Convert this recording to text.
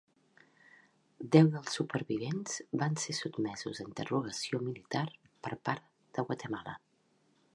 Deu dels supervivents van ser sotmesos a interrogació militar per part de Guatemala.